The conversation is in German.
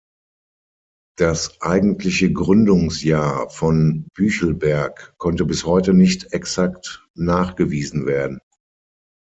Das eigentliche Gründungsjahr von Büchelberg konnte bis heute nicht exakt nachgewiesen werden.